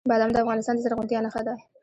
بادام د افغانستان د زرغونتیا نښه ده.